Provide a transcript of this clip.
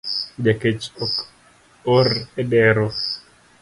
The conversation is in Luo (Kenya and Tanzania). Jakech ok or edero